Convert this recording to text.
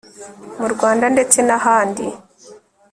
mu rwanda ndetse nahandi